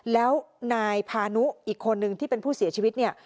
แล้วนายพานุอีกคนนึงที่เป็นผู้เสียชีวิตเนี่ย